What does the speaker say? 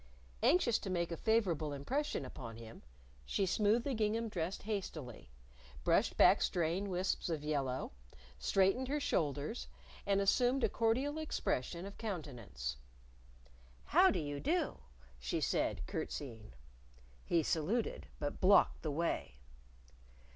Anxious to make a favorable impression upon him, she smoothed the gingham dress hastily, brushed back straying wisps of yellow, straightened her shoulders, and assumed a cordial expression of countenance. "How do you do," she said, curtseying. He saluted. But blocked the way.